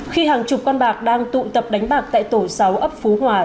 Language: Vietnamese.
khi hàng chục con bạc đang tụ tập đánh bạc tại tổ sáu ấp phú hòa